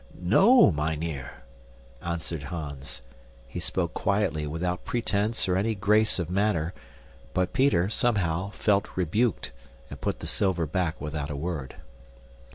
"No, mynheer," answered Hans. He spoke quietly, without pretence or any grace of manner, but Peter, somehow, felt rebuked, and put the silver back without a word.